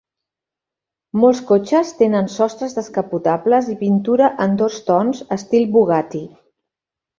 Molts cotxes tenen sostres descapotables i pintura en dos tons estil Bugatti.